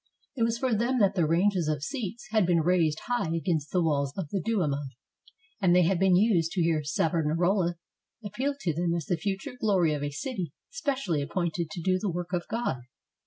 It was for them that the ranges of seats had been raised high against the walls of the Duomo; and they had been used to hear Savonarola appeal to them as the future glory of a city specially appointed to do the work of God.